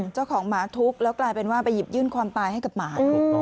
เจ้าของหมาทุกข์แล้วกลายเป็นว่าไปหยิบยื่นความตายให้กับหมา